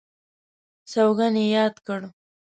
سوګند یې یاد کړ.